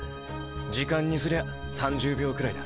時間にすりゃ３０秒くらいだ。